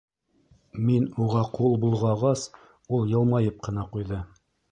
Мин уға ҡул болғағас, ул йылмайып ҡына ҡуйҙы...